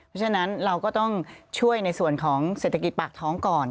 เพราะฉะนั้นเราก็ต้องช่วยในส่วนของเศรษฐกิจปากท้องก่อน